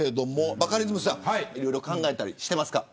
バカリズムさんいろいろ考えたりしていますか。